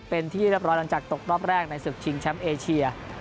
เป็นที่เรียบร้อยหลังจากตกรอบแรกในศึกชิงแชมป์เอเชีย